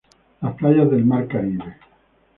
Las playas del mar Caribe.